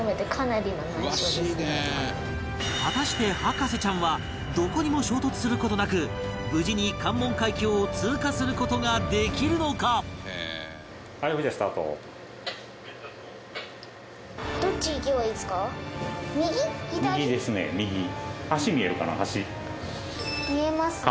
果たして博士ちゃんはどこにも衝突する事なく無事に関門海峡を通過する事ができるのか？見えますね。